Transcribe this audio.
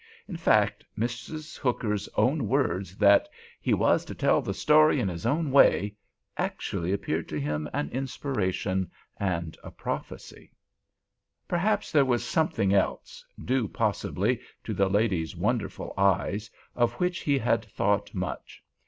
In fact, Mrs. Hooker's own words that "he was to tell the story in his own way" actually appeared to him an inspiration and a prophecy. Perhaps there was something else, due possibly to the lady's wonderful eyes, of which he had thought much.